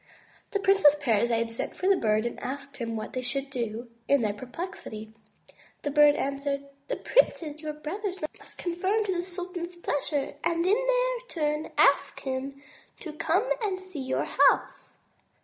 '* The Princess Parizade sent for the Bird and asked him what they should do in their perplexity. The Bird answered: "The princes, your brothers, must conform to the sultan's pleasure, and in their turn ask him to come and see your house."